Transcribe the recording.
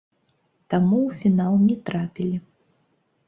Таму ў фінал не трапілі.